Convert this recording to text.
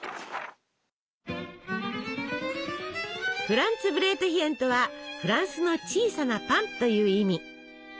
フランツブレートヒェンとはフランスの小さなパンという意味。